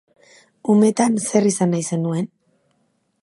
Umetan zer izan nahi zenuen?